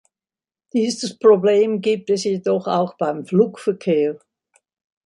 Dieses Problem gibt es jedoch auch beim Flugverkehr.